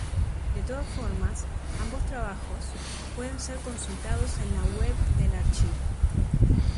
De todas formas, ambos trabajos, pueden ser consultados en la web del Archivo.